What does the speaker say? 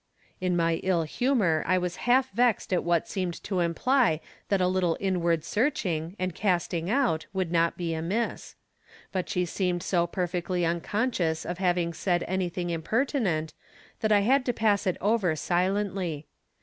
In my Hi humor I was half vexed at what seemed to imply that a little inward searching, and casting out, would not be amiss; but she seemed so perfectly .unconscious of having, said anything impertinent that I had to pass it over sHently.